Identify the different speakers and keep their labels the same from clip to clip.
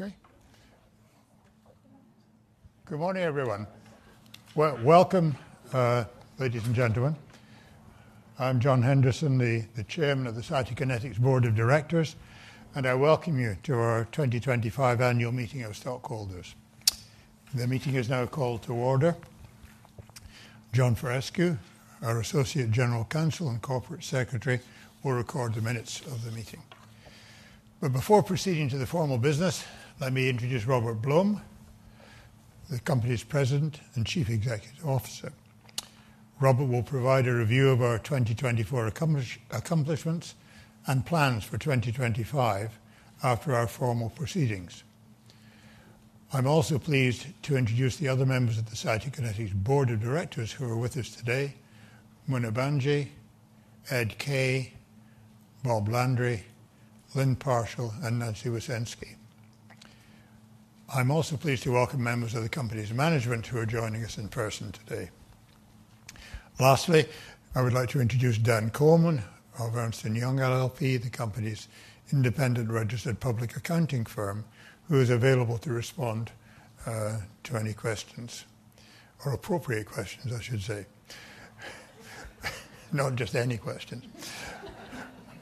Speaker 1: Okay. Good morning, everyone. Welcome, ladies and gentlemen. I'm John Henderson, the Chairman of the Cytokinetics Board of Directors, and I welcome you to our 2025 annual meeting of stockholders. The meeting is now called to order. John Faurescu, our Associate General Counsel and Corporate Secretary, will record the minutes of the meeting. Before proceeding to the formal business, let me introduce Robert Blum, the company's President and Chief Executive Officer. Robert will provide a review of our 2024 accomplishments and plans for 2025 after our formal proceedings. I'm also pleased to introduce the other members of the Cytokinetics Board of Directors who are with us today: Muna Bhanji, Edward M. Kaye, Bob Landry, Lynne Parshall, and Nancy Wysenski. I'm also pleased to welcome members of the company's management who are joining us in person today. Lastly, I would like to introduce Dan Coleman of Ernst & Young LLP, the company's independent registered public accounting firm, who is available to respond to any questions, or appropriate questions, I should say, not just any questions.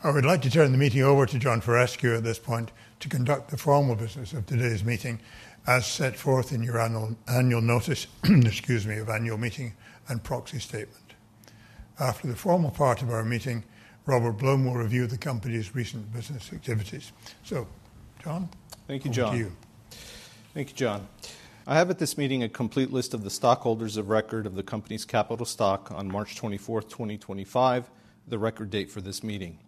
Speaker 1: I would like to turn the meeting over to John Faurescu at this point to conduct the formal business of today's meeting, as set forth in your annual notice, excuse me, of annual meeting and proxy statement. After the formal part of our meeting, Robert Blum will review the company's recent business activities. So, John.
Speaker 2: Thank you, John.
Speaker 1: Thank you.
Speaker 2: Thank you, John. I have at this meeting a complete list of the stockholders of record of the company's capital stock on March 24, 2025, the record date for this meeting.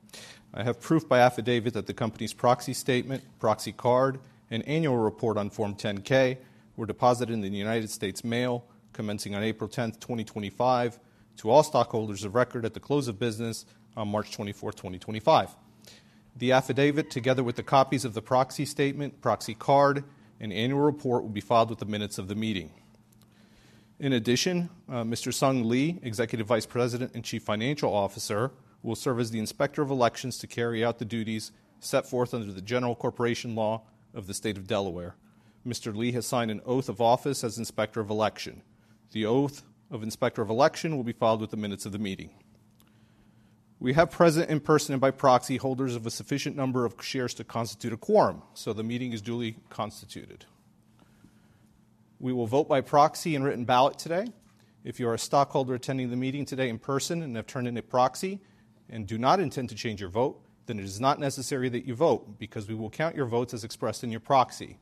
Speaker 2: I have proof by affidavit that the company's proxy statement, proxy card, and annual report on Form 10-K were deposited in the United States mail, commencing on April 10, 2025, to all stockholders of record at the close of business on March 24, 2025. The affidavit, together with the copies of the proxy statement, proxy card, and annual report, will be filed with the minutes of the meeting. In addition, Mr. Sung Lee, Executive Vice President and Chief Financial Officer, will serve as the inspector of elections to carry out the duties set forth under the General Corporation Law of the State of Delaware. Mr. Lee has signed an oath of office as inspector of election. The oath of inspector of election will be filed with the minutes of the meeting. We have present in person and by proxy holders of a sufficient number of shares to constitute a quorum, so the meeting is duly constituted. We will vote by proxy and written ballot today. If you are a stockholder attending the meeting today in person and have turned in a proxy and do not intend to change your vote, then it is not necessary that you vote because we will count your votes as expressed in your proxy.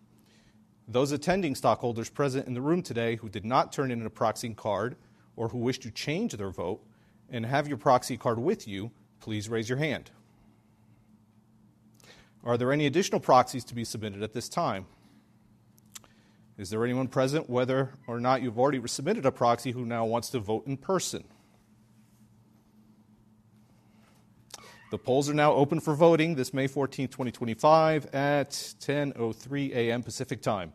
Speaker 2: Those attending stockholders present in the room today who did not turn in a proxy card or who wish to change their vote and have your proxy card with you, please raise your hand. Are there any additional proxies to be submitted at this time? Is there anyone present, whether or not you've already submitted a proxy, who now wants to vote in person? The polls are now open for voting this May 14, 2025, at 10:03 A.M. Pacific Time.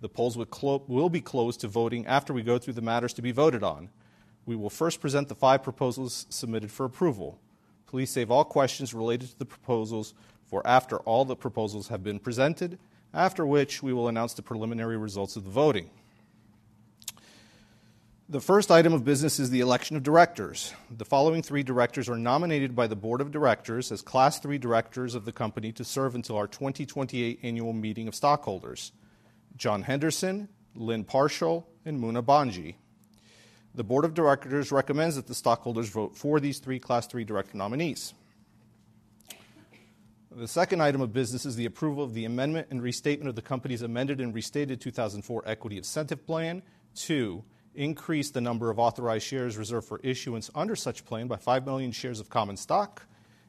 Speaker 2: The polls will be closed to voting after we go through the matters to be voted on. We will first present the five proposals submitted for approval. Please save all questions related to the proposals for after all the proposals have been presented, after which we will announce the preliminary results of the voting. The first item of business is the election of directors. The following three directors are nominated by the Board of Directors as class three directors of the company to serve until our 2028 annual meeting of stockholders: John Henderson, Lynne Parshall, and Muna Bhanji. The Board of Directors recommends that the stockholders vote for these three class three director nominees. The second item of business is the approval of the amendment and restatement of the company's amended and restated 2004 Equity Incentive Plan to increase the number of authorized shares reserved for issuance under such plan by 5 million shares of common stock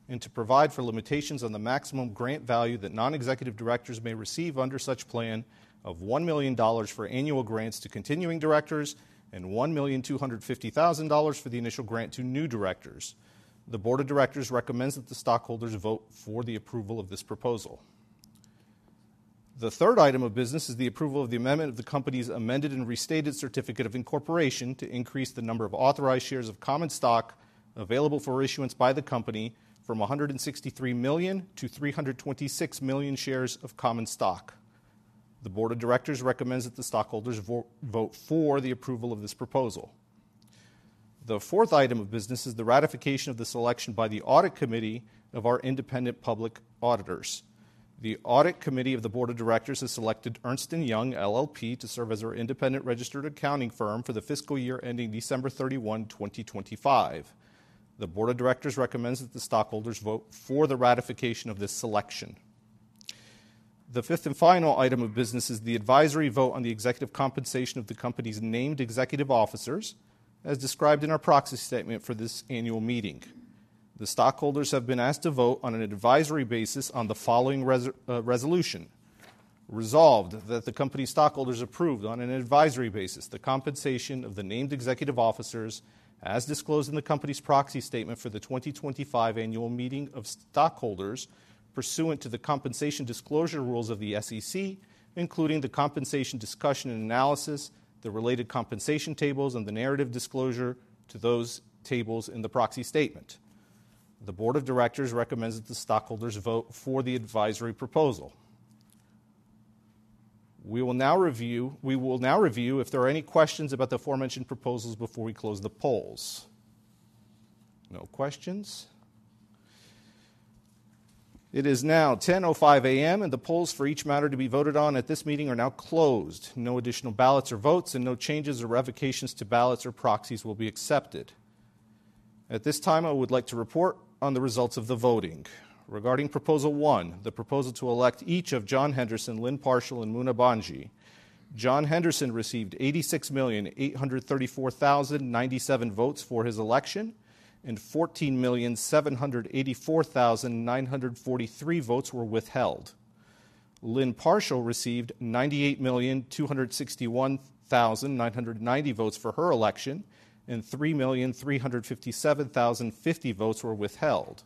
Speaker 2: and to provide for limitations on the maximum grant value that non-executive directors may receive under such plan of $1 million for annual grants to continuing directors and $1,250,000 for the initial grant to new directors. The Board of Directors recommends that the stockholders vote for the approval of this proposal. The third item of business is the approval of the amendment of the company's amended and restated certificate of incorporation to increase the number of authorized shares of common stock available for issuance by the company from 163 million to 326 million shares of common stock. The Board of Directors recommends that the stockholders vote for the approval of this proposal. The fourth item of business is the ratification of the selection by the Audit Committee of our independent public auditors. The Audit Committee of the Board of Directors has selected Ernst & Young LLP to serve as our Independent Registered Public Accounting Firm for the fiscal year ending December 31, 2025. The Board of Directors recommends that the stockholders vote for the ratification of this selection. The fifth and final item of business is the advisory vote on the executive compensation of the company's named executive officers, as described in our proxy statement for this annual meeting. The stockholders have been asked to vote on an advisory basis on the following resolution: resolved that the company's stockholders approve, on an advisory basis, the compensation of the named executive officers, as disclosed in the company's proxy statement for the 2025 annual meeting of stockholders, pursuant to the compensation disclosure rules of the SEC, including the compensation discussion and analysis, the related compensation tables, and the narrative disclosure to those tables in the proxy statement. The Board of Directors recommends that the stockholders vote for the advisory proposal. We will now review if there are any questions about the aforementioned proposals before we close the polls. No questions. It is now 10:05 A.M., and the polls for each matter to be voted on at this meeting are now closed. No additional ballots or votes, and no changes or revocations to ballots or proxies will be accepted. At this time, I would like to report on the results of the voting. Regarding proposal one, the proposal to elect each of John Henderson, Lynne Parshall, and Muna Bhanji, John Henderson received 86,834,097 votes for his election, and 14,784,943 votes were withheld. Lynne Parshall received 98,261,990 votes for her election, and 3,357,050 votes were withheld.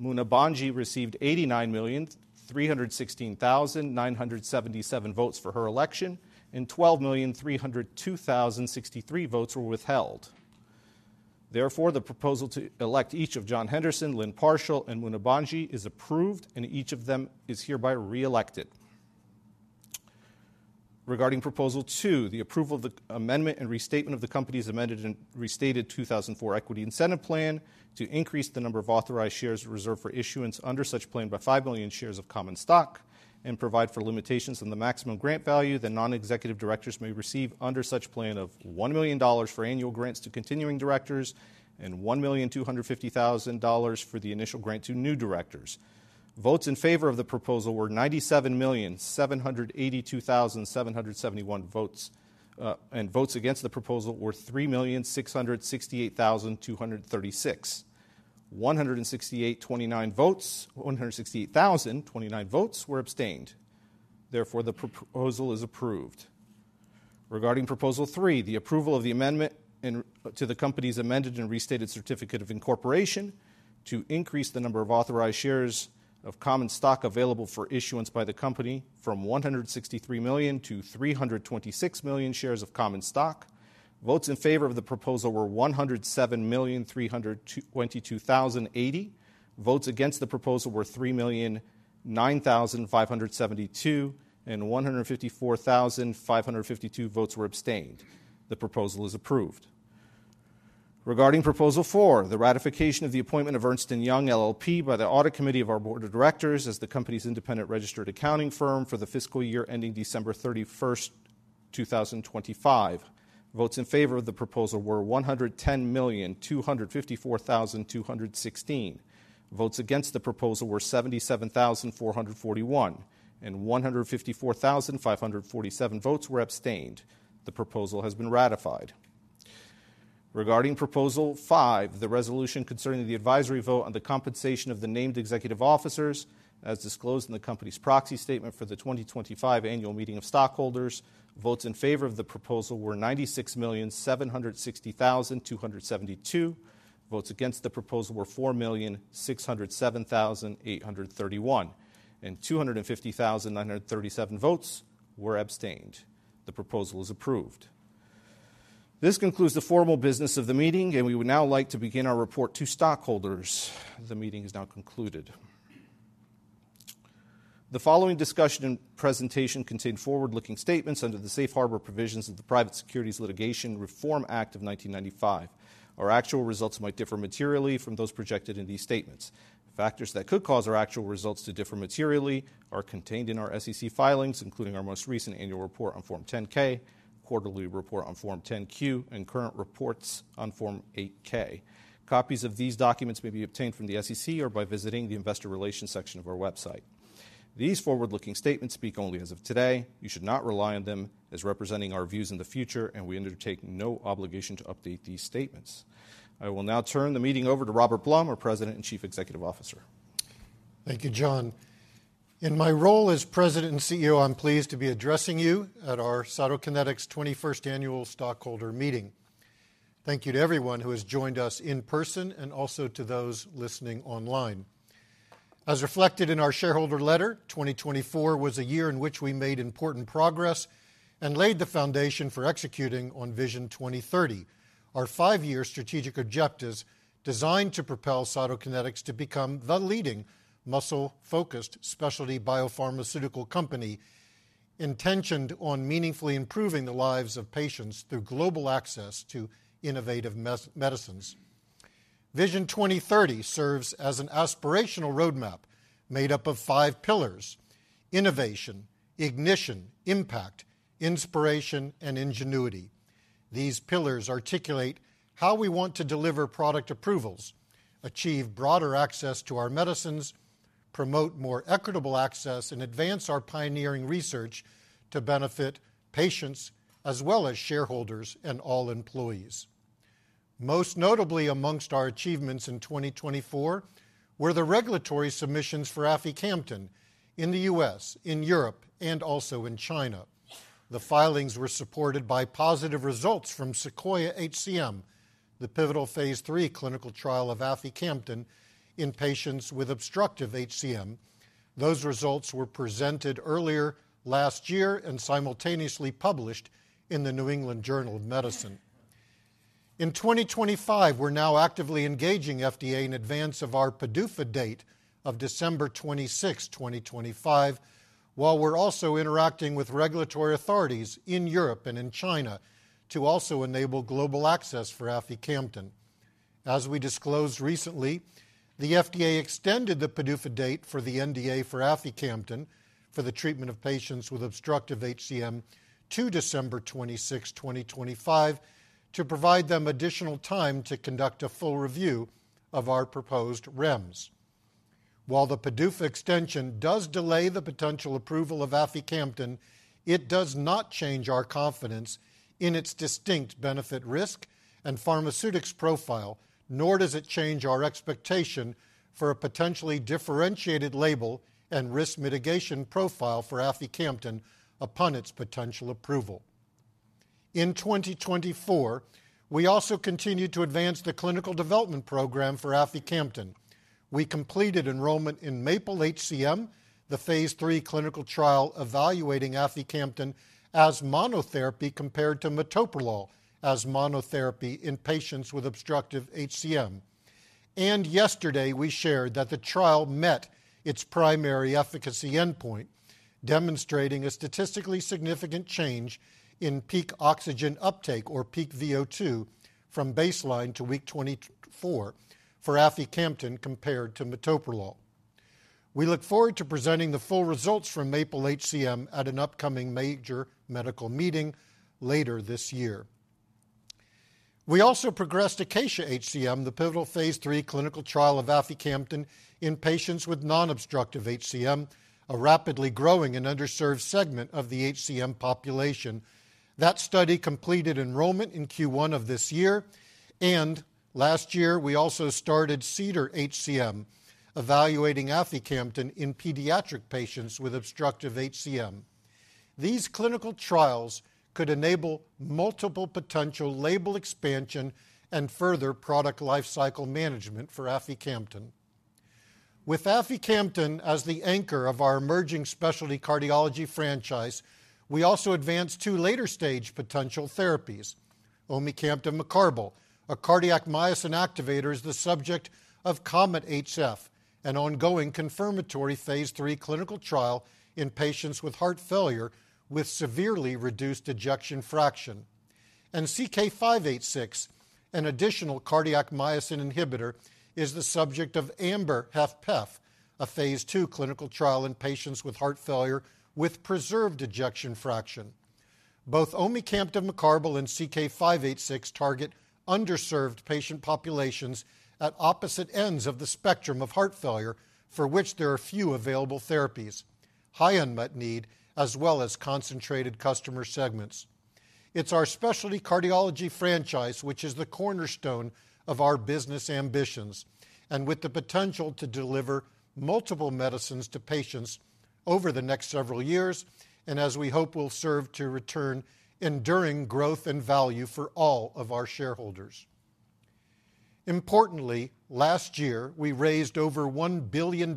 Speaker 2: Muna Bhanji received 89,316,977 votes for her election, and 12,302,063 votes were withheld. Therefore, the proposal to elect each of John Henderson, Lynne Parshall, and Muna Bhanji is approved, and each of them is hereby reelected. Regarding proposal two, the approval of the amendment and restatement of the company's amended and restated 2004 Equity Incentive Plan to increase the number of authorized shares reserved for issuance under such plan by 5 million shares of common stock and provide for limitations on the maximum grant value that non-executive directors may receive under such plan of $1 million for annual grants to continuing directors and $1,250,000 for the initial grant to new directors. Votes in favor of the proposal were 97,782,771 votes, and votes against the proposal were 3,668,236. 168,029 votes, 168,029 votes were abstained. Therefore, the proposal is approved. Regarding proposal three, the approval of the amendment to the company's amended and restated certificate of incorporation to increase the number of authorized shares of common stock available for issuance by the company from 163 million to 326 million shares of common stock. Votes in favor of the proposal were 107,322,080. Votes against the proposal were 3,009,572, and 154,552 votes were abstained. The proposal is approved. Regarding proposal four, the ratification of the appointment of Ernst & Young LLP by the Audit Committee of our Board of Directors as the company's Independent Registered Public Accounting Firm for the fiscal year ending December 31, 2025. Votes in favor of the proposal were 110,254,216. Votes against the proposal were 77,441, and 154,547 votes were abstained. The proposal has been ratified. Regarding proposal five, the resolution concerning the advisory vote on the compensation of the named executive officers, as disclosed in the company's proxy statement for the 2025 annual meeting of stockholders, votes in favor of the proposal were 96,760,272. Votes against the proposal were 4,607,831, and 250,937 votes were abstained. The proposal is approved. This concludes the formal business of the meeting, and we would now like to begin our report to stockholders. The meeting is now concluded. The following discussion and presentation contain forward-looking statements under the Safe Harbor Provisions of the Private Securities Litigation Reform Act of 1995. Our actual results might differ materially from those projected in these statements. Factors that could cause our actual results to differ materially are contained in our SEC filings, including our most recent annual report on Form 10-K, quarterly report on Form 10-Q, and current reports on Form 8-K. Copies of these documents may be obtained from the SEC or by visiting the investor relations section of our website. These forward-looking statements speak only as of today. You should not rely on them as representing our views in the future, and we undertake no obligation to update these statements. I will now turn the meeting over to Robert Blum, our President and Chief Executive Officer.
Speaker 3: Thank you, John. In my role as President and CEO, I'm pleased to be addressing you at our Cytokinetics 21st Annual Stockholder Meeting. Thank you to everyone who has joined us in person and also to those listening online. As reflected in our shareholder letter, 2024 was a year in which we made important progress and laid the foundation for executing on Vision 2030, our five-year strategic objectives designed to propel Cytokinetics to become the leading muscle-focused specialty biopharmaceutical company intentioned on meaningfully improving the lives of patients through global access to innovative medicines. Vision 2030 serves as an aspirational roadmap made up of five pillars: innovation, ignition, impact, inspiration, and ingenuity. These pillars articulate how we want to deliver product approvals, achieve broader access to our medicines, promote more equitable access, and advance our pioneering research to benefit patients as well as shareholders and all employees. Most notably, amongst our achievements in 2024 were the regulatory submissions for Aficamten in the United States, in Europe, and also in China. The filings were supported by positive results from SEQUOIA-HCM, the pivotal Phase 3 Clinical Trial of Aficamten in patients with Obstructive HCM. Those results were presented earlier last year and simultaneously published in the New England Journal of Medicine. In 2025, we're now actively engaging FDA in advance of our PDUFA date of December 26, 2025, while we're also interacting with regulatory authorities in Europe and in China to also enable global access for Aficamten. As we disclosed recently, the FDA extended the PDUFA date for the NDA for Aficamten for the treatment of patients with Obstructive HCM to December 26, 2025, to provide them additional time to conduct a full review of our proposed REMS. While the PDUFA extension does delay the potential approval of Aficamten, it does not change our confidence in its distinct benefit risk and pharmaceutics profile, nor does it change our expectation for a potentially differentiated label and risk mitigation profile for Aficamten upon its potential approval. In 2024, we also continued to advance the clinical development program for Aficamten. We completed enrollment in MAPLE-HCM, the Phase 3 Clinical Trial evaluating Aficamten as monotherapy compared to metoprolol as monotherapy in patients with Obstructive HCM. Yesterday, we shared that the trial met its primary efficacy endpoint, demonstrating a statistically significant change in Peak Oxygen Uptake, or peak VO2, from baseline to week 24 for Aficamten compared to metoprolol. We look forward to presenting the full results from MAPLE-HCM at an upcoming major medical meeting later this year. We also progressed ACACIA-HCM, the pivotal Phase 3 Clinical Trial of Aficamten in patients with Non-obstructive HCM, a rapidly growing and underserved segment of the HCM population. That study completed enrollment in Q1 of this year, and last year, we also started CEDAR-HCM, evaluating Aficamten in pediatric patients with Obstructive HCM. These clinical trials could enable multiple potential label expansion and further product lifecycle management for Aficamten. With Aficamten as the anchor of our emerging specialty cardiology franchise, we also advanced two later-stage potential therapies. Omecamtiv Mecarbil, a cardiac myosin activator, is the subject of COMET-HF, an ongoing confirmatory Phase 3 Clinical Trial in patients with heart failure with severely reduced ejection fraction. CK-586, an additional cardiac myosin inhibitor, is the subject of AMBER-HFpEF, a Phase 2 clinical trial in patients with heart failure with preserved ejection fraction. Both Omecamtiv Mecarbil and CK-586 target underserved patient populations at opposite ends of the spectrum of heart failure, for which there are few available therapies, high unmet need, as well as concentrated customer segments. It's our specialty cardiology franchise which is the cornerstone of our business ambitions and with the potential to deliver multiple medicines to patients over the next several years, and as we hope will serve to return enduring growth and value for all of our shareholders. Importantly, last year, we raised over $1 billion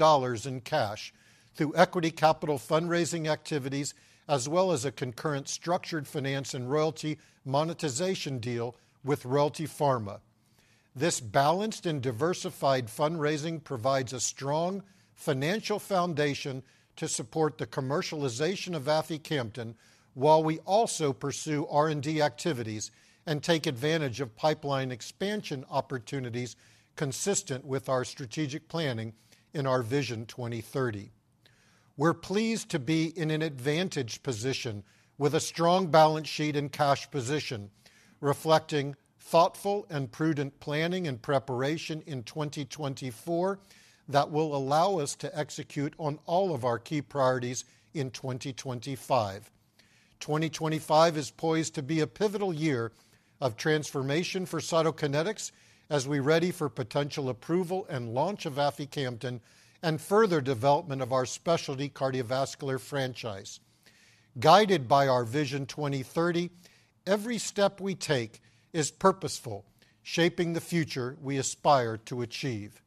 Speaker 3: in cash through equity capital fundraising activities, as well as a concurrent structured finance and royalty monetization deal with Royalty Pharma. This balanced and diversified fundraising provides a strong financial foundation to support the commercialization of Aficamten while we also pursue R&D activities and take advantage of pipeline expansion opportunities consistent with our strategic planning in our Vision 2030. We're pleased to be in an advantaged position with a strong balance sheet and cash position reflecting thoughtful and prudent planning and preparation in 2024 that will allow us to execute on all of our key priorities in 2025. 2025 is poised to be a pivotal year of transformation for Cytokinetics as we ready for potential approval and launch of Aficamten and further development of our specialty cardiovascular franchise. Guided by our Vision 2030, every step we take is purposeful, shaping the future we aspire to achieve.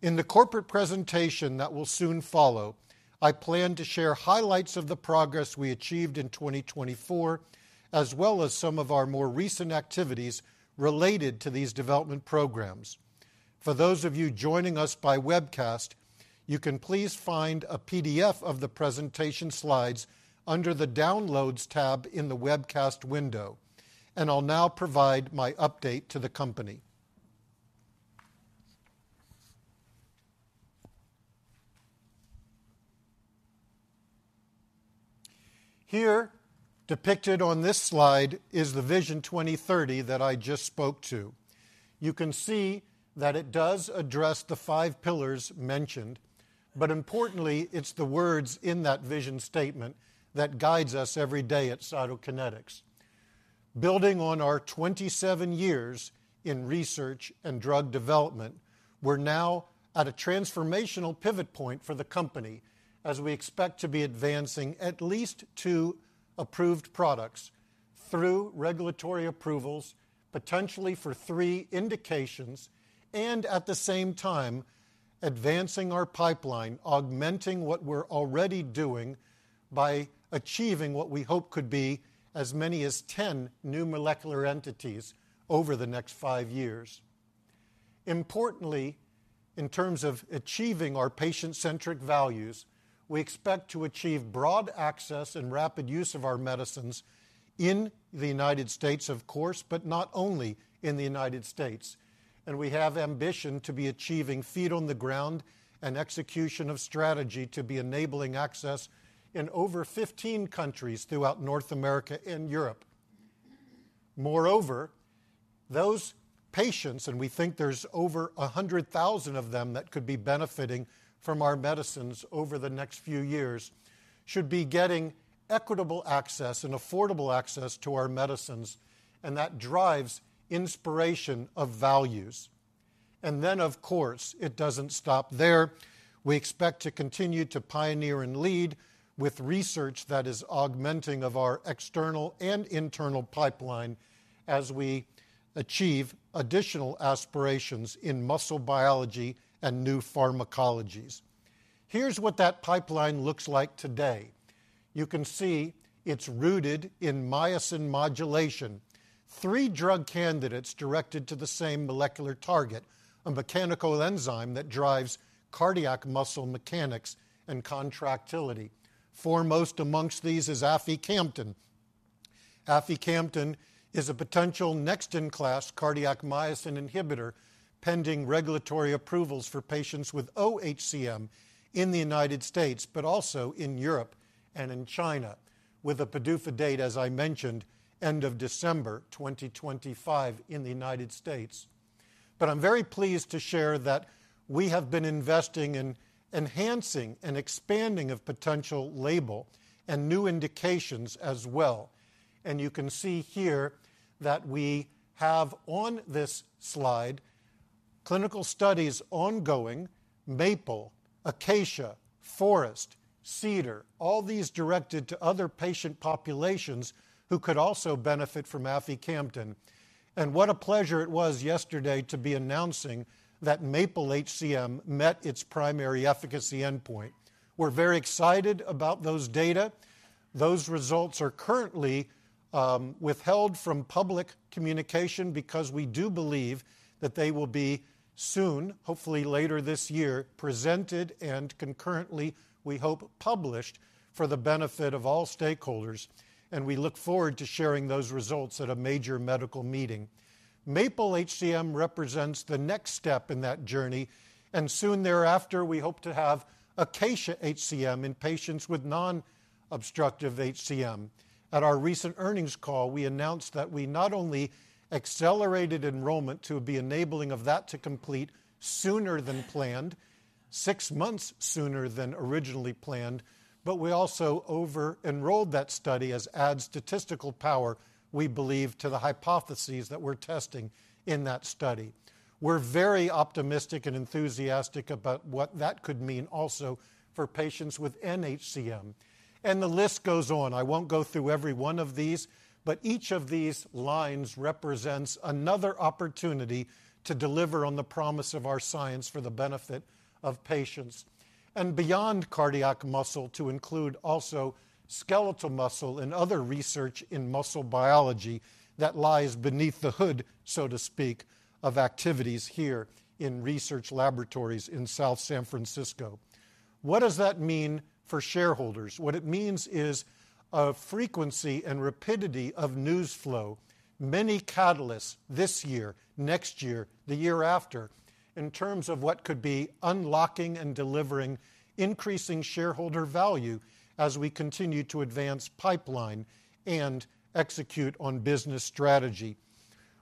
Speaker 3: In the corporate presentation that will soon follow, I plan to share highlights of the progress we achieved in 2024, as well as some of our more recent activities related to these development programs. For those of you joining us by webcast, you can please find a PDF of the presentation slides under the Downloads tab in the webcast window, and I'll now provide my update to the company. Here depicted on this slide is the Vision 2030 that I just spoke to. You can see that it does address the five pillars mentioned, but importantly, it's the words in that vision statement that guides us every day at Cytokinetics. Building on our 27 years in research and drug development, we're now at a transformational pivot point for the company as we expect to be advancing at least two approved products through regulatory approvals, potentially for three indications, and at the same time, advancing our pipeline, augmenting what we're already doing by achieving what we hope could be as many as 10 new molecular entities over the next five years. Importantly, in terms of achieving our patient-centric values, we expect to achieve broad access and rapid use of our medicines in the United States, of course, but not only in the United States. We have ambition to be achieving feet on the ground and execution of strategy to be enabling access in over 15 countries throughout North America and Europe. Moreover, those patients, and we think there's over 100,000 of them that could be benefiting from our medicines over the next few years, should be getting equitable access and affordable access to our medicines, and that drives inspiration of values. It does not stop there. We expect to continue to pioneer and lead with research that is augmenting our external and internal pipeline as we achieve additional aspirations in muscle biology and new pharmacologies. Here's what that pipeline looks like today. You can see it's rooted in myosin modulation, three drug candidates directed to the same molecular target, a mechanical enzyme that drives cardiac muscle mechanics and contractility. Foremost amongst these is Aficamten. Aficamten is a potential next-in-class cardiac myosin inhibitor pending regulatory approvals for patients with oHCM in the United States, but also in Europe and in China, with a PDUFA date, as I mentioned, end of December 2025 in the United States. I'm very pleased to share that we have been investing in enhancing and expanding potential label and new indications as well. You can see here that we have on this slide clinical studies ongoing: Maple, Acacia, Forest, Cedar, all these directed to other patient populations who could also benefit from Aficamten. What a pleasure it was yesterday to be announcing that MAPLE-HCM met its primary efficacy endpoint. We're very excited about those data. Those results are currently withheld from public communication because we do believe that they will be soon, hopefully later this year, presented and concurrently, we hope, published for the benefit of all stakeholders. We look forward to sharing those results at a major medical meeting. MAPLE-HCM represents the next step in that journey, and soon thereafter, we hope to have ACACIA-HCM in patients with Non-obstructive HCM. At our recent earnings call, we announced that we not only accelerated enrollment to be enabling that to complete sooner than planned, six months sooner than originally planned, but we also over-enrolled that study as adds statistical power, we believe, to the hypotheses that we're testing in that study. We are very optimistic and enthusiastic about what that could mean also for patients with nHCM. The list goes on. I won't go through every one of these, but each of these lines represents another opportunity to deliver on the promise of our science for the benefit of patients. Beyond cardiac muscle, to include also skeletal muscle and other research in muscle biology that lies beneath the hood, so to speak, of activities here in research laboratories in South San Francisco. What does that mean for shareholders? What it means is a frequency and rapidity of news flow, many catalysts this year, next year, the year after, in terms of what could be unlocking and delivering increasing shareholder value as we continue to advance pipeline and execute on business strategy.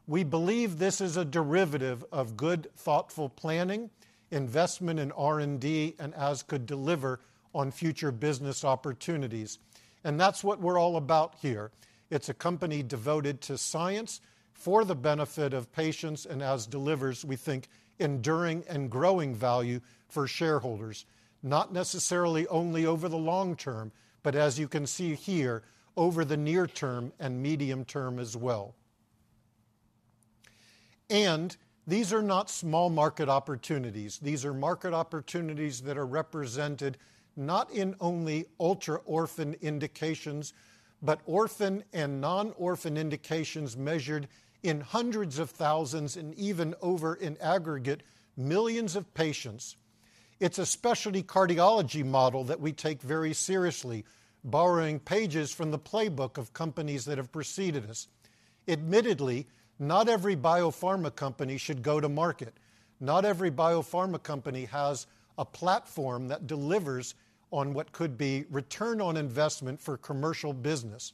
Speaker 3: We believe this is a derivative of good, thoughtful planning, investment in R&D, and as could deliver on future business opportunities. That's what we're all about here. It's a company devoted to science for the benefit of patients and as delivers, we think, enduring and growing value for shareholders, not necessarily only over the long term, but as you can see here, over the near term and medium term as well. These are not small market opportunities. These are market opportunities that are represented not in only ultra-orphan indications, but orphan and non-orphan indications measured in hundreds of thousands and even over in aggregate millions of patients. It's a specialty cardiology model that we take very seriously, borrowing pages from the playbook of companies that have preceded us. Admittedly, not every biopharma company should go to market. Not every biopharma company has a platform that delivers on what could be return on investment for commercial business.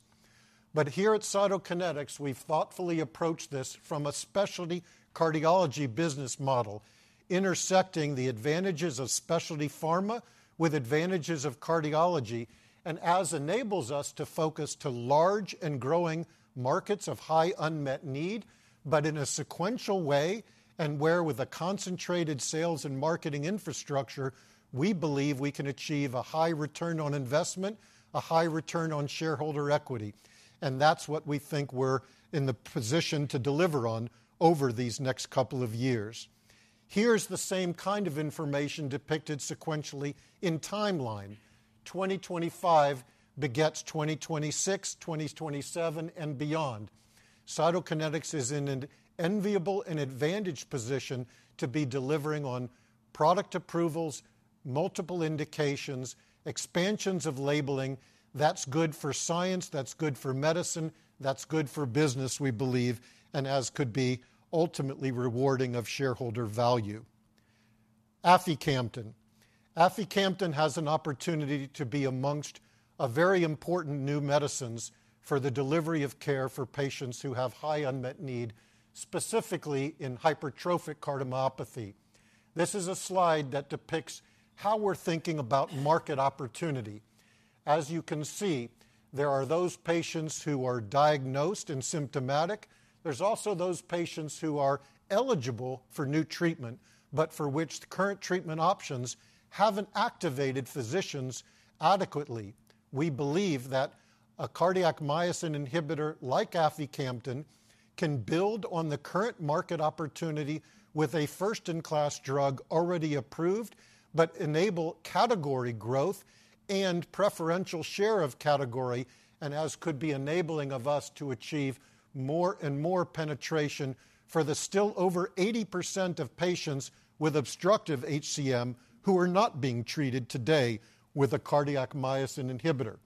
Speaker 3: Here at Cytokinetics, we've thoughtfully approached this from a specialty cardiology business model, intersecting the advantages of specialty pharma with advantages of cardiology and as enables us to focus to large and growing markets of high unmet need, but in a sequential way where with a concentrated sales and marketing infrastructure, we believe we can achieve a high return on investment, a high return on shareholder equity. That is what we think we're in the position to deliver on over these next couple of years. Here is the same kind of information depicted sequentially in timeline: 2025 begets 2026, 2027, and beyond. Cytokinetics is in an enviable and advantaged position to be delivering on product approvals, multiple indications, expansions of labeling that is good for science, that is good for medicine, that is good for business, we believe, and as could be ultimately rewarding of shareholder value. Aficamten. Aficamten has an opportunity to be amongst very important new medicines for the delivery of care for patients who have high unmet need, specifically in hypertrophic cardiomyopathy. This is a slide that depicts how we're thinking about market opportunity. As you can see, there are those patients who are diagnosed and symptomatic. There's also those patients who are eligible for new treatment, but for which the current treatment options haven't activated physicians adequately. We believe that a cardiac myosin inhibitor like Aficamten can build on the current market opportunity with a first-in-class drug already approved, but enable category growth and preferential share of category, as could be enabling of us to achieve more and more penetration for the still over 80% of patients with Obstructive HCM who are not being treated today with a cardiac myosin inhibitor.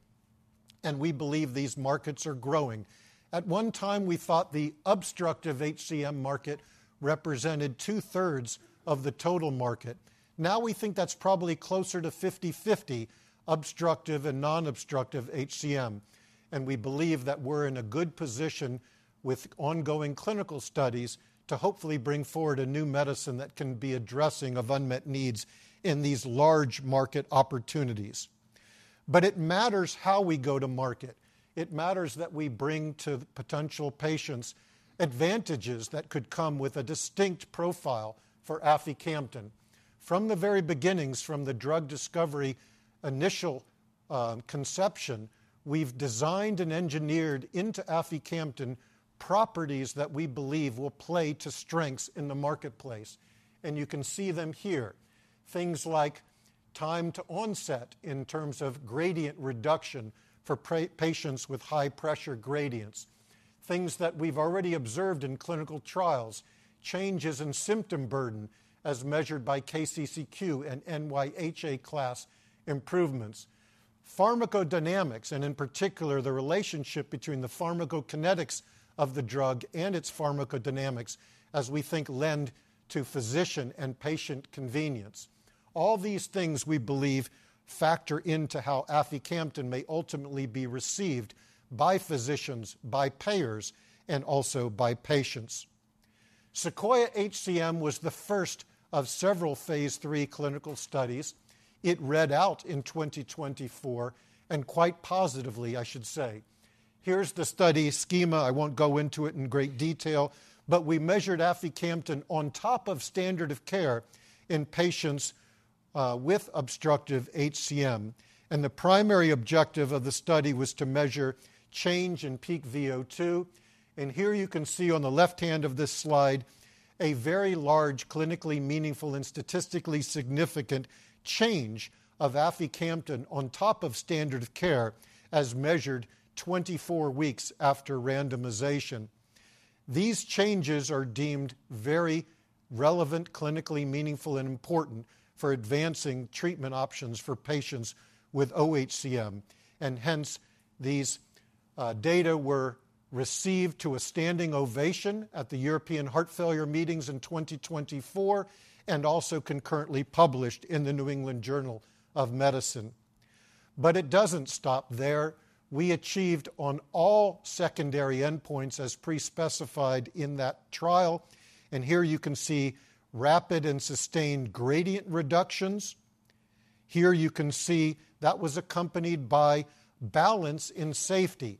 Speaker 3: We believe these markets are growing. At one time, we thought the Obstructive HCM market represented two-thirds of the total market. Now we think that's probably closer to 50/50 obstructive and Non-obstructive HCM. We believe that we're in a good position with ongoing clinical studies to hopefully bring forward a new medicine that can be addressing of unmet needs in these large market opportunities. It matters how we go to market. It matters that we bring to potential patients advantages that could come with a distinct profile for Aficamten. From the very beginnings, from the drug discovery initial conception, we've designed and engineered into Aficamten properties that we believe will play to strengths in the marketplace. You can see them here. Things like time to onset in terms of gradient reduction for patients with high pressure gradients, things that we've already observed in clinical trials, changes in symptom burden as measured by KCCQ and NYHA class improvements, pharmacodynamics, and in particular, the relationship between the pharmacokinetics of the drug and its pharmacodynamics, as we think lend to physician and patient convenience. All these things we believe factor into how Aficamten may ultimately be received by physicians, by payers, and also by patients. SEQUOIA-HCM was the first of several Phase 3 clinical studies. It read out in 2024, and quite positively, I should say. Here's the study schema. I won't go into it in great detail, but we measured Aficamten on top of standard of care in patients with Obstructive HCM. The primary objective of the study was to measure change in peak VO2. Here you can see on the left hand of this slide a very large, clinically meaningful, and statistically significant change of Aficamten on top of standard of care as measured 24 weeks after randomization. These changes are deemed very relevant, clinically meaningful, and important for advancing treatment options for patients with oHCM. These data were received to a standing ovation at the European Heart Failure Meetings in 2024 and also concurrently published in the New England Journal of Medicine. It does not stop there. We achieved on all secondary endpoints as pre-specified in that trial. Here you can see rapid and sustained gradient reductions. Here you can see that was accompanied by balance in safety.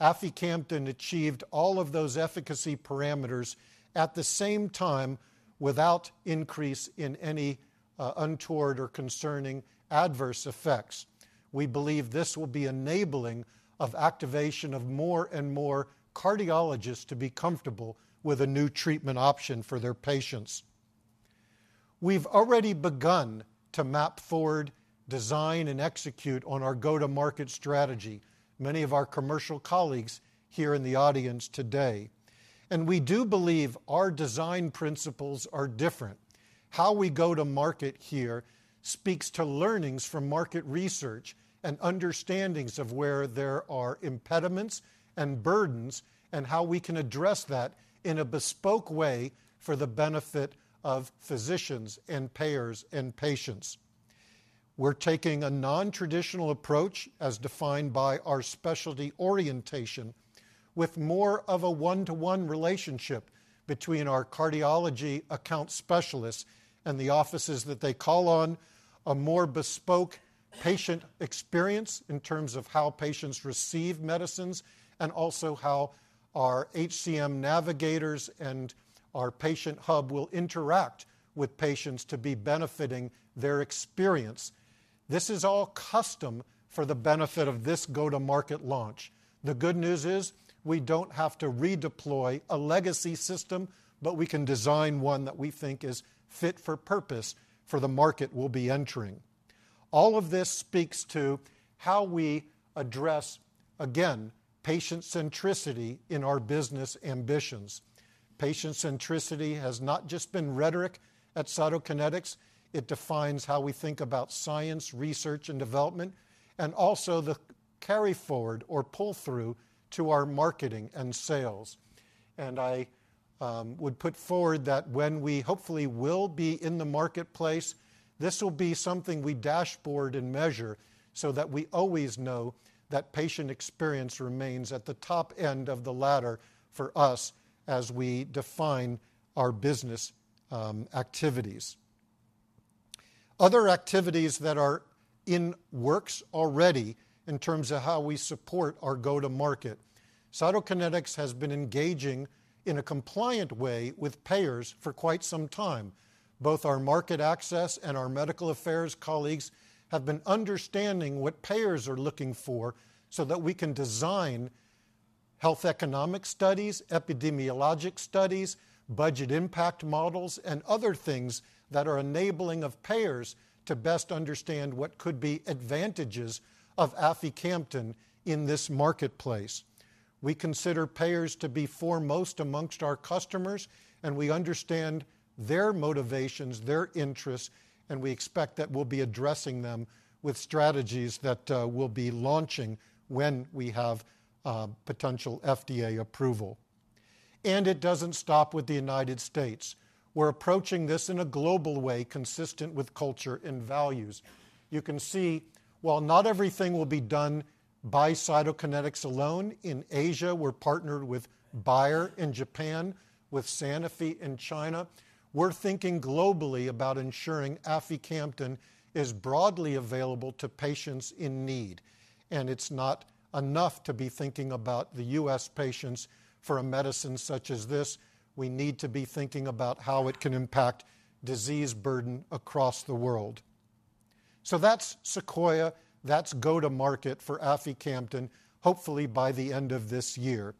Speaker 3: Aficamten achieved all of those efficacy parameters at the same time without increase in any untoward or concerning adverse effects. We believe this will be enabling of activation of more and more cardiologists to be comfortable with a new treatment option for their patients. We've already begun to map forward, design, and execute on our go-to-market strategy, many of our commercial colleagues here in the audience today. We do believe our design principles are different. How we go to market here speaks to learnings from market research and understandings of where there are impediments and burdens and how we can address that in a bespoke way for the benefit of physicians and payers and patients. We're taking a non-traditional approach as defined by our specialty orientation with more of a one-to-one relationship between our cardiology account specialists and the offices that they call on, a more bespoke patient experience in terms of how patients receive medicines and also how our HCM navigators and our patient hub will interact with patients to be benefiting their experience. This is all custom for the benefit of this go-to-market launch. The good news is we don't have to redeploy a legacy system, but we can design one that we think is fit for purpose for the market we'll be entering. All of this speaks to how we address, again, patient centricity in our business ambitions. Patient centricity has not just been rhetoric at Cytokinetics. It defines how we think about science, research, and development, and also the carry forward or pull through to our marketing and sales. I would put forward that when we hopefully will be in the marketplace, this will be something we dashboard and measure so that we always know that patient experience remains at the top end of the ladder for us as we define our business activities. Other activities that are in works already in terms of how we support our go-to-market. Cytokinetics has been engaging in a compliant way with payers for quite some time. Both our market access and our medical affairs colleagues have been understanding what payers are looking for so that we can design health economic studies, epidemiologic studies, budget impact models, and other things that are enabling of payers to best understand what could be advantages of Aficamten in this marketplace. We consider payers to be foremost amongst our customers, and we understand their motivations, their interests, and we expect that we'll be addressing them with strategies that we'll be launching when we have potential FDA approval. It does not stop with the United States. We're approaching this in a global way consistent with culture and values. You can see while not everything will be done by Cytokinetics alone, in Asia we're partnered with Bayer in Japan, with Sanofi in China. We're thinking globally about ensuring Aficamten is broadly available to patients in need. It is not enough to be thinking about the U.S. patients for a medicine such as this. We need to be thinking about how it can impact disease burden across the world. That is Sequoia. That is go-to-market for Aficamten, hopefully by the end of this year.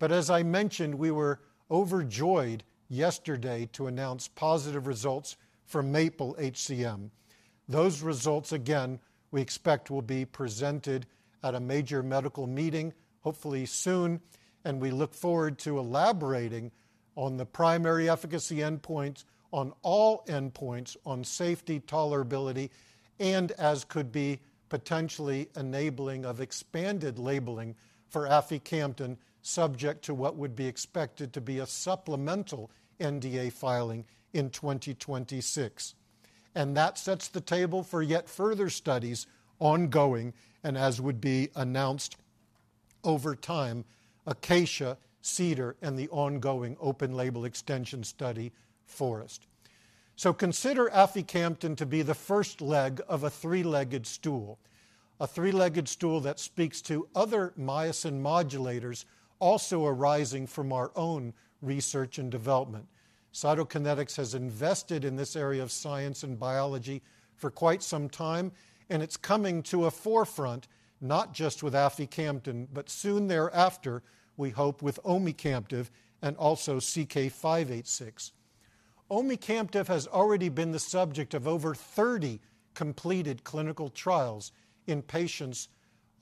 Speaker 3: As I mentioned, we were overjoyed yesterday to announce positive results for MAPLE-HCM. Those results, again, we expect will be presented at a major medical meeting, hopefully soon, and we look forward to elaborating on the primary efficacy endpoints, on all endpoints, on safety, tolerability, and as could be potentially enabling of expanded labeling for Aficamten subject to what would be expected to be a supplemental NDA filing in 2026. That sets the table for yet further studies ongoing and as would be announced over time, Acacia, Cedar, and the ongoing open label extension study FOREST-HCM. Consider Aficamten to be the first leg of a three-legged stool, a three-legged stool that speaks to other myosin modulators also arising from our own research and development. Cytokinetics has invested in this area of science and biology for quite some time, and it's coming to a forefront not just with Aficamten, but soon thereafter, we hope with Omecamtiv and also CK-586. Omecamtiv has already been the subject of over 30 completed clinical trials in patients,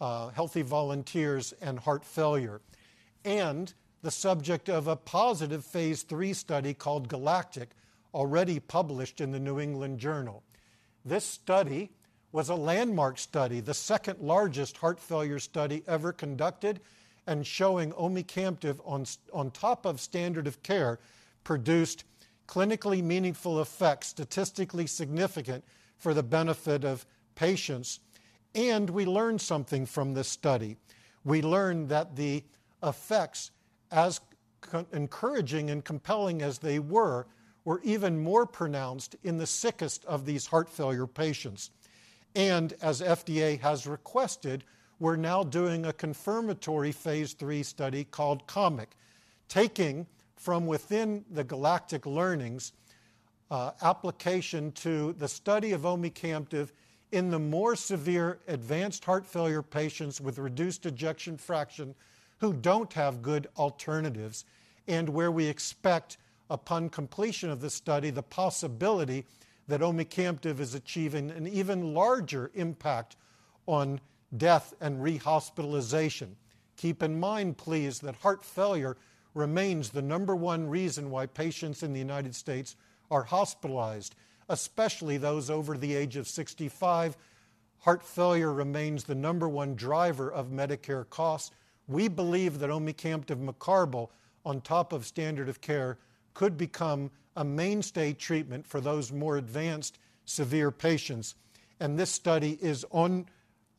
Speaker 3: healthy volunteers, and heart failure, and the subject of a positive Phase 3 study called GALACTIC-HF already published in the New England Journal. This study was a landmark study, the second largest heart failure study ever conducted, and showing Omecamtiv on top of standard of care produced clinically meaningful effects, statistically significant for the benefit of patients. We learned something from this study. We learned that the effects, as encouraging and compelling as they were, were even more pronounced in the sickest of these heart failure patients. As FDA has requested, we're now doing a confirmatory Phase 3 study called Comet, taking from within the GALACTIC-HF learnings application to the study of Omecamtiv Mecarbil in the more severe advanced heart failure patients with reduced ejection fraction who do not have good alternatives, and where we expect upon completion of the study the possibility that Omecamtiv Mecarbil is achieving an even larger impact on death and rehospitalization. Keep in mind, please, that heart failure remains the number one reason why patients in the United States are hospitalized, especially those over the age of 65. Heart failure remains the number one driver of Medicare costs. We believe that Omecamtiv Mecarbil, on top of standard of care, could become a mainstay treatment for those more advanced severe patients. This study is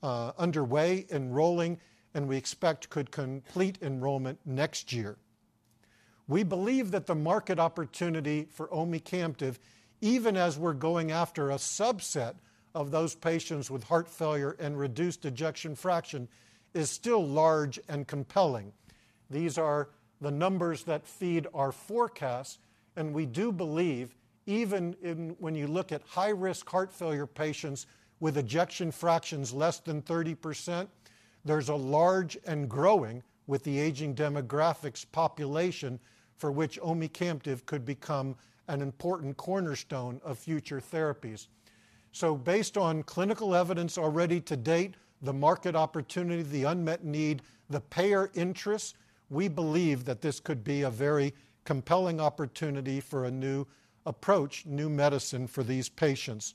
Speaker 3: underway, enrolling, and we expect could complete enrollment next year. We believe that the market opportunity for Omecamtiv Mecarbil, even as we're going after a subset of those patients with heart failure and reduced ejection fraction, is still large and compelling. These are the numbers that feed our forecasts, and we do believe even when you look at high-risk heart failure patients with ejection fractions less than 30%, there's a large and growing with the aging demographics population for which Omecamtiv Mecarbil could become an important cornerstone of future therapies. Based on clinical evidence already to date, the market opportunity, the unmet need, the payer interests, we believe that this could be a very compelling opportunity for a new approach, new medicine for these patients.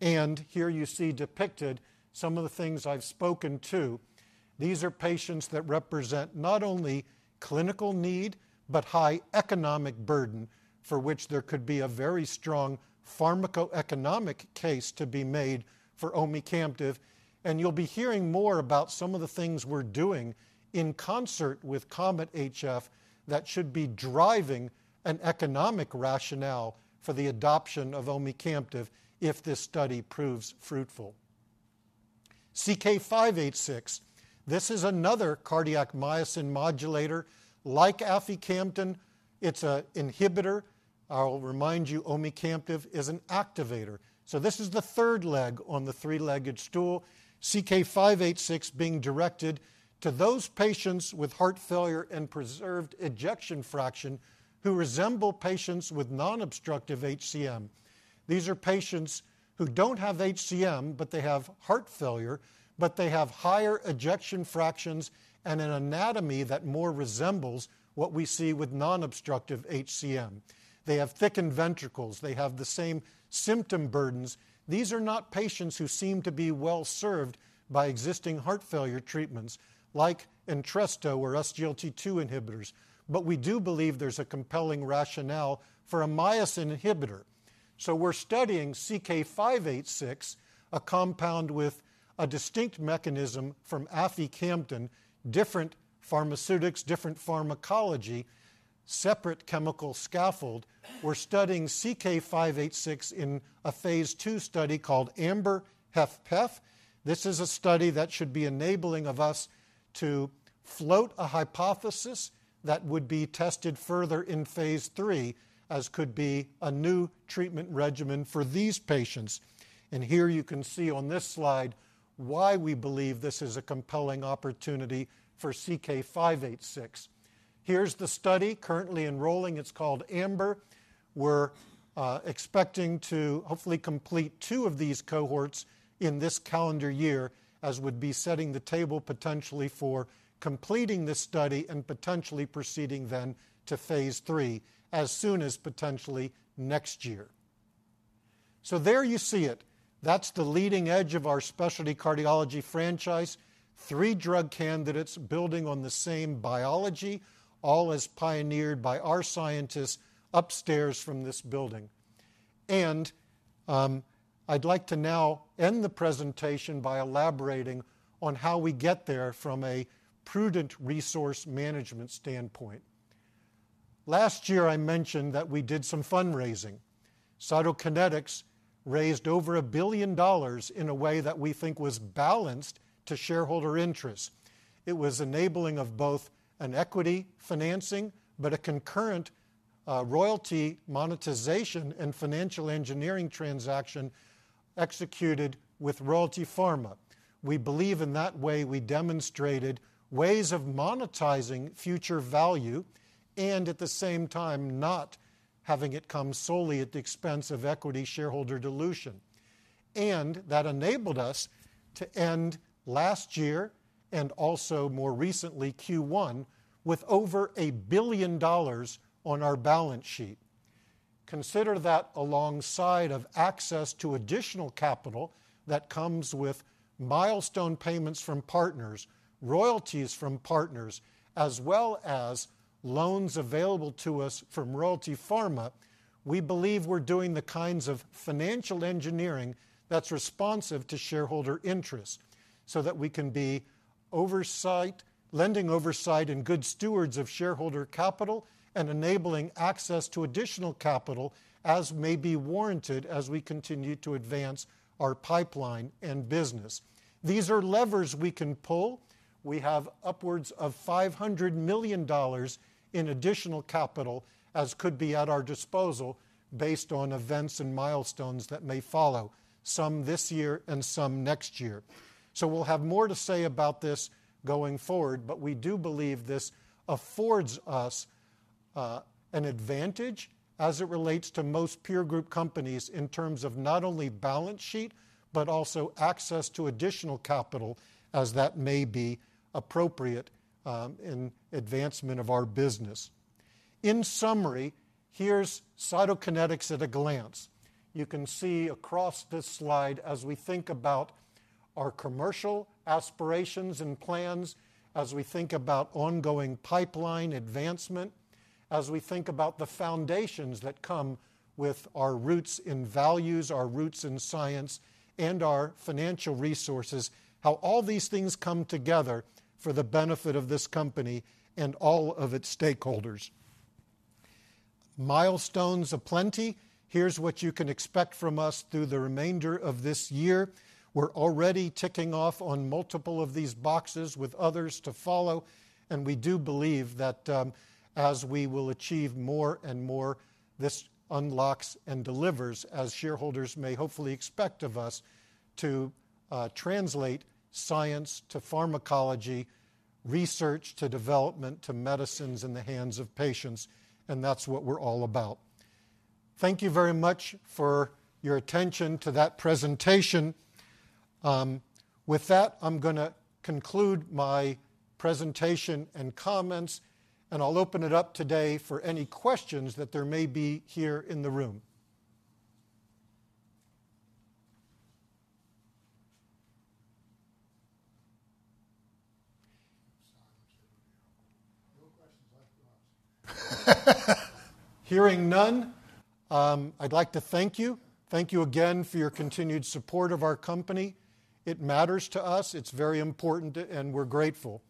Speaker 3: Here you see depicted some of the things I've spoken to. These are patients that represent not only clinical need, but high economic burden for which there could be a very strong pharmacoeconomic case to be made for Omecamtiv Mecarbil. You will be hearing more about some of the things we are doing in concert with COMET-HF that should be driving an economic rationale for the adoption of Omecamtiv Mecarbil if this study proves fruitful. CK-586, this is another cardiac myosin modulator like Aficamten. It is an inhibitor. I will remind you Omecamtiv Mecarbil is an activator. This is the third leg on the three-legged stool, CK-586 being directed to those patients with heart failure and preserved ejection fraction who resemble patients with Non-obstructive HCM. These are patients who do not have HCM, but they have heart failure, but they have higher ejection fractions and an anatomy that more resembles what we see with Non-obstructive HCM. They have thickened ventricles. They have the same symptom burdens. These are not patients who seem to be well served by existing heart failure treatments like Entresto or SGLT2 inhibitors, but we do believe there's a compelling rationale for a myosin inhibitor. We are studying CK-586, a compound with a distinct mechanism from Aficamten, different pharmaceutics, different pharmacology, separate chemical scaffold. We are studying CK-586 in a Phase 2 study called AMBER-HFpEF. This is a study that should be enabling of us to float a hypothesis that would be tested further in Phase 3 as could be a new treatment regimen for these patients. Here you can see on this slide why we believe this is a compelling opportunity for CK-586. Here is the study currently enrolling. It's called Amber. We're expecting to hopefully complete two of these cohorts in this calendar year as would be setting the table potentially for completing this study and potentially proceeding then to Phase 3 as soon as potentially next year. There you see it. That's the leading edge of our specialty cardiology franchise, three drug candidates building on the same biology, all as pioneered by our scientists upstairs from this building. I'd like to now end the presentation by elaborating on how we get there from a prudent resource management standpoint. Last year, I mentioned that we did some fundraising. Cytokinetics raised over $1 billion in a way that we think was balanced to shareholder interests. It was enabling of both an equity financing, but a concurrent royalty monetization and financial engineering transaction executed with Royalty Pharma. We believe in that way we demonstrated ways of monetizing future value and at the same time not having it come solely at the expense of equity shareholder dilution. That enabled us to end last year and also more recently Q1 with over $1 billion on our balance sheet. Consider that alongside of access to additional capital that comes with milestone payments from partners, royalties from partners, as well as loans available to us from Royalty Pharma, we believe we're doing the kinds of financial engineering that's responsive to shareholder interests so that we can be oversight, lending oversight and good stewards of shareholder capital and enabling access to additional capital as may be warranted as we continue to advance our pipeline and business. These are levers we can pull. We have upwards of $500 million in additional capital as could be at our disposal based on events and milestones that may follow, some this year and some next year. We will have more to say about this going forward, but we do believe this affords us an advantage as it relates to most peer group companies in terms of not only balance sheet, but also access to additional capital as that may be appropriate in advancement of our business. In summary, here is Cytokinetics at a glance. You can see across this slide as we think about our commercial aspirations and plans, as we think about ongoing pipeline advancement, as we think about the foundations that come with our roots in values, our roots in science, and our financial resources, how all these things come together for the benefit of this company and all of its stakeholders. Milestones aplenty. Here's what you can expect from us through the remainder of this year. We're already ticking off on multiple of these boxes with others to follow, and we do believe that as we will achieve more and more, this unlocks and delivers as shareholders may hopefully expect of us to translate science to pharmacology, research to development, to medicines in the hands of patients, and that's what we're all about. Thank you very much for your attention to that presentation. With that, I'm going to conclude my presentation and comments, and I'll open it up today for any questions that there may be here in the room. Hearing none, I'd like to thank you. Thank you again for your continued support of our company. It matters to us. It's very important, and we're grateful.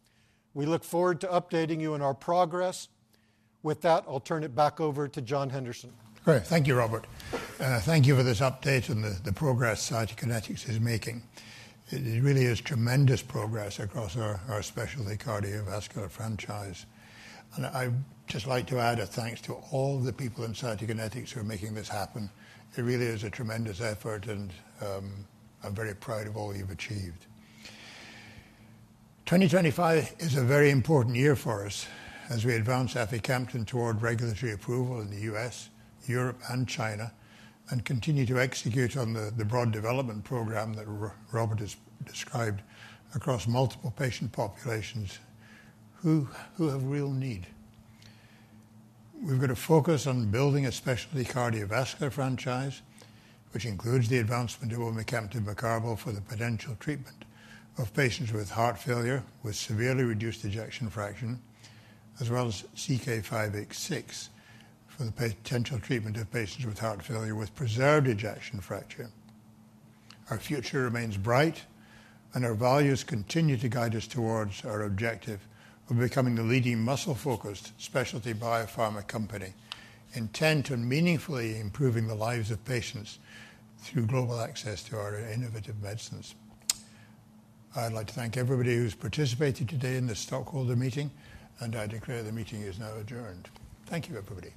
Speaker 3: We look forward to updating you on our progress. With that, I'll turn it back over to John Henderson.
Speaker 1: Great. Thank you, Robert. Thank you for this update on the progress Cytokinetics is making. It really is tremendous progress across our specialty cardiovascular franchise. I'd just like to add a thanks to all the people in Cytokinetics who are making this happen. It really is a tremendous effort, and I'm very proud of all you've achieved. 2025 is a very important year for us as we advance Aficamten toward regulatory approval in the U.S., Europe, and China and continue to execute on the broad development program that Robert has described across multiple patient populations who have real need. We've got to focus on building a specialty cardiovascular franchise, which includes the advancement of Omecamtiv Mecarbil for the potential treatment of patients with heart failure with severely reduced ejection fraction, as well as CK-586 for the potential treatment of patients with heart failure with preserved ejection fraction. Our future remains bright, and our values continue to guide us towards our objective of becoming the leading muscle-focused specialty biopharma company intent on meaningfully improving the lives of patients through global access to our innovative medicines. I'd like to thank everybody who's participated today in the stockholder meeting, and I declare the meeting is now adjourned. Thank you, everybody.